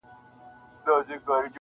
o په عین و شین و قاف کي هغه ټوله جنتونه,